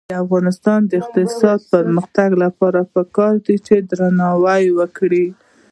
د افغانستان د اقتصادي پرمختګ لپاره پکار ده چې درناوی وکړو.